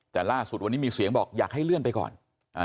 แต่ล่าสุดวันนี้มีเสียงบอกอยากให้เลื่อนไปก่อนอ่า